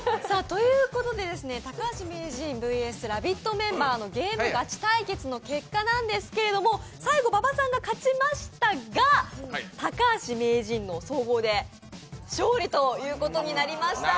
ということで高橋名人ＶＳラヴィットメンバーのゲームガチ対決の結果ですが最後、馬場さんが勝ちましたが総合で高橋名人の勝利ということになりました。